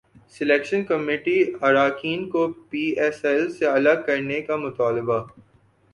selection committee اراکین کو P S L سے الگ کرنے کا مطالبہ